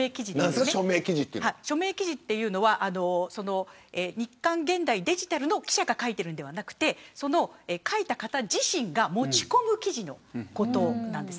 署名記事というのは日刊ゲンダイデジタルの記者が書いているんではなくて書いた方自身が持ち込む記事のことを指します。